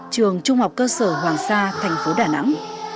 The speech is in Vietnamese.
trường trung học cơ sở hoàng sa thành phố đà nẵng